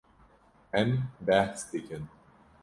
Em behs dikin.